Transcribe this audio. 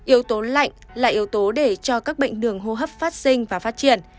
yếu tố lạnh là yếu tố để cho các bệnh đường hô hấp phát sinh và phát triển